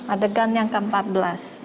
adegan yang ke empat belas